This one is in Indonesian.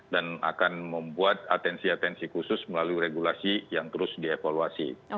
akan membuat atensi atensi khusus melalui regulasi yang terus dievaluasi